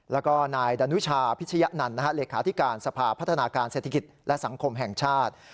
แล้วก็นายดานุชาพิชยะนันต์เลขาธิการสภาพัฒนาการเศรษฐกิจและสังคมแห่งชาติ